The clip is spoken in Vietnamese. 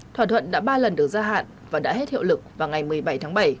thỏa thuận đã ba lần được gia hạn và đã hết hiệu lực vào ngày một mươi bảy tháng bảy